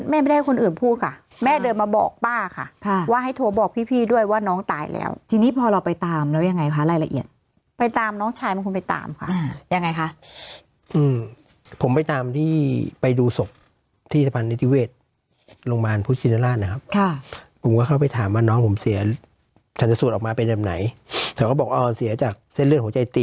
ไม่ได้ให้คนอื่นพูดค่ะแม่เดินมาบอกป้าค่ะว่าให้โทรบอกพี่พี่ด้วยว่าน้องตายแล้วทีนี้พอเราไปตามแล้วยังไงคะรายละเอียดไปตามน้องชายเป็นคนไปตามค่ะยังไงคะอืมผมไปตามที่ไปดูศพที่สะพานนิติเวชโรงพยาบาลพุทธชินราชนะครับค่ะผมก็เข้าไปถามว่าน้องผมเสียทันสูตรออกมาเป็นแบบไหนแต่ก็บอกอ๋อเสียจากเส้นเลือดหัวใจตี